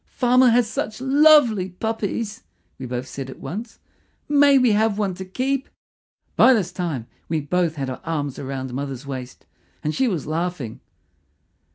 "Farmer has such lovely puppies," we both said at once. "May we have one to keep?" By this time we both had our arms round mother's waist, and she was laughing.